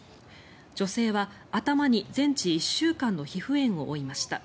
女性は頭に全治１週間の皮膚炎を負いました。